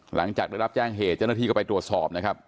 หลังจากได้รับแจ้งเหตุเจ้าหน้าที่ก็ไปตรวจสอบนะครับ